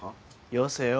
よせよ。